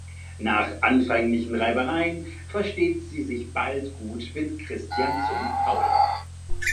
Nach anfänglichen Reibereien versteht sie sich bald gut mit Christians Sohn Paul.